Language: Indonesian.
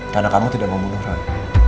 karena kamu tidak membunuh roy